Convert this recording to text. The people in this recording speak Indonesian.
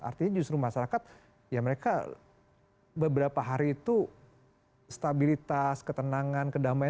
artinya justru masyarakat ya mereka beberapa hari itu stabilitas ketenangan kedamaian